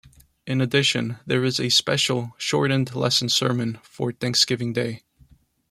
In addition, there is a special, shortened Lesson-Sermon for Thanksgiving Day.